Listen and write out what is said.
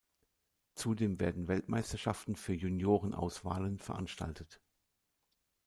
Zudem werden Weltmeisterschaften für Junioren-Auswahlen veranstaltet.